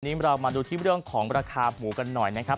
วันนี้เรามาดูที่เรื่องของราคาหมูกันหน่อยนะครับ